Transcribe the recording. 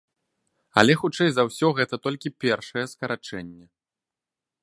Але хутчэй за ўсе гэта толькі першае скарачэнне.